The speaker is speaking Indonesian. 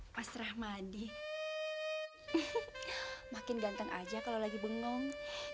mas rahmadi makin ganteng aja kalau lagi bengong